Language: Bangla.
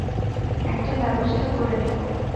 একটা ব্যবস্থা করে নেবো।